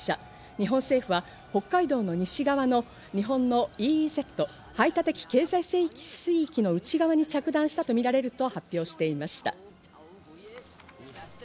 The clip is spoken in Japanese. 日本政府は北海道の西側の日本のＥＥＺ＝排他的経済水域の内側に着弾したとみられると発表していました。